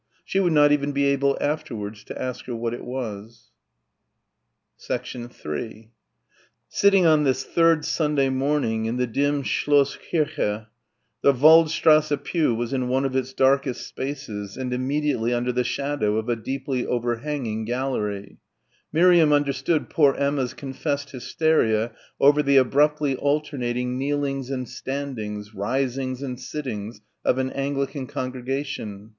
She would not even be able afterwards to ask her what it was. 3 Sitting on this third Sunday morning in the dim Schloss Kirche the Waldstrasse pew was in one of its darkest spaces and immediately under the shadow of a deeply overhanging gallery Miriam understood poor Emma's confessed hysteria over the abruptly alternating kneelings and standings, risings and sittings of an Anglican congregation.